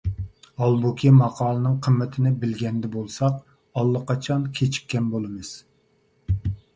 ھالبۇكى، ماقالىنىڭ قىممىتىنى بىلگەندە بولساق ئاللىقاچان كېچىككەن بولىمىز.